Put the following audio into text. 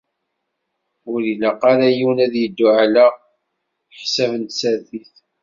Ur ilaq ara yiwen ad yeddu ɛla ḥsab n tsertit.